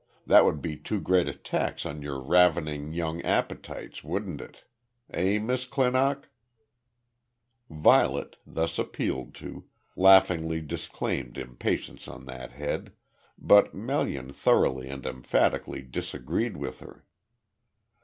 That would be too great a tax on your ravening young appetites, wouldn't it? Eh, Miss Clinock?" Violet, thus appealed to, laughingly disclaimed impatience on that head, but Melian thoroughly and emphatically disagreed with her.